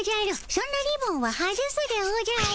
そんなリボンは外すでおじゃる。